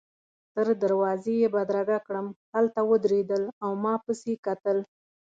تر دروازې يې بدرګه کړم، هلته ودرېدل او ما پسي کتل.